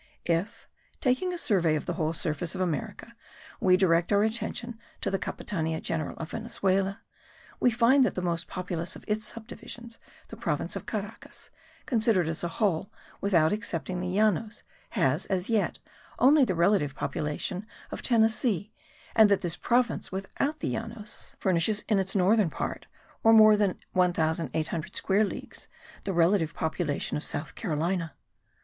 If, taking a survey of the whole surface of America, we direct our attention to the Capitania General of Venezuela, we find that the most populous of its subdivisions, the province of Caracas, considered as a whole, without excepting the Llanos, has, as yet, only the relative population of Tennessee; and that this province, without the Llanos, furnishes in its northern part, or more than 1800 square leagues, the relative population of South Carolina.